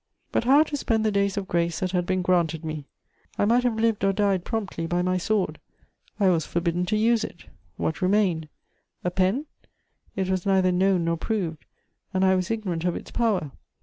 But how to spend the days of grace that had been granted me? I might have lived or died promptly by my sword: I was forbidden to use it. What remained? A pen? It was neither known nor proved, and I was ignorant of its power.